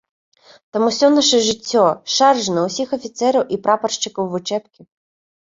Там усё наша жыццё, шаржы на ўсіх афіцэраў і прапаршчыкаў вучэбкі.